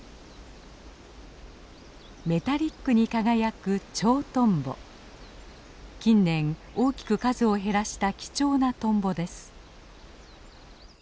メタリックに輝く近年大きく数を減らした貴重なトンボです。